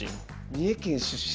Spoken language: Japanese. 三重県出身？